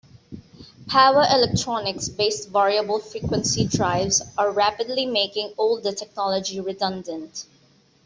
Power electronics based variable frequency drives are rapidly making older technology redundant.